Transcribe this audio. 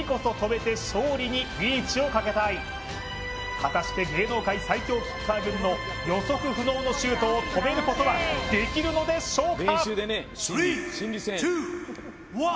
果たして芸能界最強キッカー軍の予測不能のシュートを止めることはできるのでしょうか？